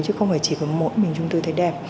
chứ không phải chỉ của mỗi mình chúng tôi thấy đẹp